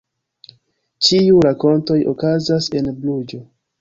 Ĉiuj rakontoj okazas en Bruĝo.